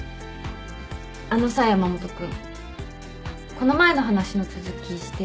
あのさ山本君この前の話の続きしていい？